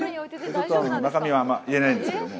ちょっと中身は言えないんですけれども。